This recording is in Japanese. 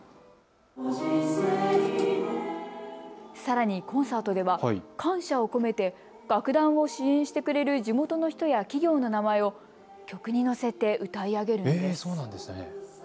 さらにコンサートでは感謝を込めて楽団を支援してくれる地元の人や企業の名前を曲にのせて歌い上げるんです。